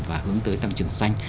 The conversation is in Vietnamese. và hướng tới tăng trưởng xanh